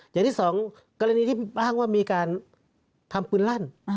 อย่างที่สองกรณีที่อ้างว่ามีการทำปืนลั่น